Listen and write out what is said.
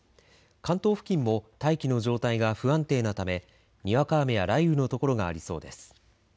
関東付近も大気の状態が不安定なためにわか雨や雷雨の所がありそうです。